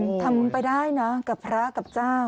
ทำไปได้นะกับพระกับเจ้า